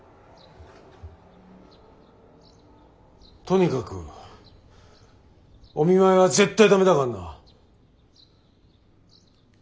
とにかくお見舞いは絶対ダメだからな。